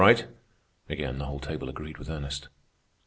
Again the whole table agreed with Ernest.